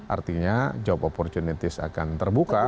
artinya job opportunity akan terbuka